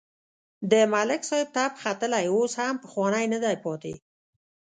د ملک صاحب تپ ختلی اوس هغه پخوانی نه دی پاتې.